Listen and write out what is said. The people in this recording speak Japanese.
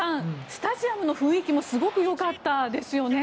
スタジアムの雰囲気もすごくよかったですよね。